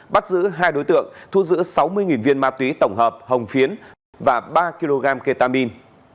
bắt giữ hai đối tượng thu giữ sáu mươi viên ma túy tổng hợp hồng phiến và ba kg ketamin